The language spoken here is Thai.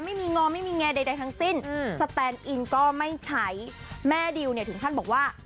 ไม่มีงอไม่มีแงใดทั้งสิ้นสแตนอินก็ไม่ใช้แม่ดิวเนี่ยถึงขั้นบอกว่า